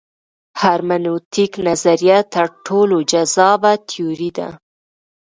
هرمنوتیک نظریه تر ټولو جذابه تیوري ده.